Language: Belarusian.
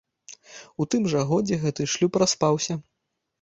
У тым жа годзе гэты шлюб распаўся.